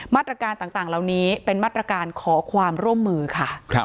มาตรการต่างเหล่านี้เป็นมาตรการขอความร่วมมือค่ะ